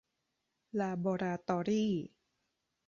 ลาบอราตอรี่